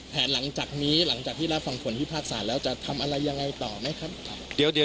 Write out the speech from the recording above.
หลังจากนี้หลังจากที่รับฟังผลพิพากษาแล้วจะทำอะไรยังไงต่อไหมครับ